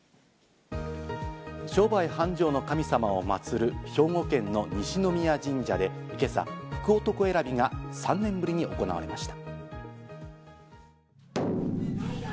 商売繁盛の神様を祀る兵庫県の西宮神社で今朝、福男選びが３年ぶりに行われました。